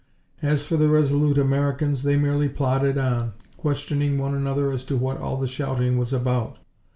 As for the resolute Americans, they merely plodded on, questioning one another as to what all the shouting was about.